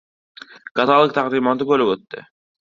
Katalog taqdimoti bo'lib o'tdi.